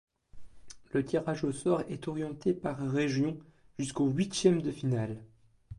Le tirage au sort est orienté par région jusqu'aux huitièmes de finale.